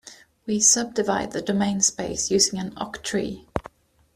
We subdivide the domain space using an octree.